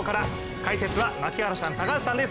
解説は槙原さん、高橋さんです。